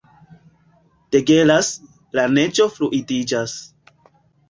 Degelas; la neĝo fluidiĝas.